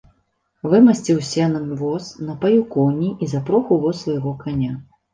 Вымасціў сенам воз, напаіў коні і запрог у воз свайго каня.